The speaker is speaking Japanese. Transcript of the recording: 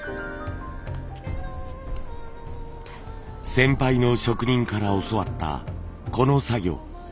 先輩の職人から教わったこの作業。